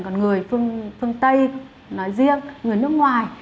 còn người phương tây nói riêng người nước ngoài